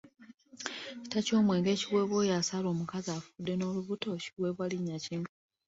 Ekita ky'omwenge ekiweebwa oyo asala omukazi afudde n'olubuto, kiweebwa linnya ki?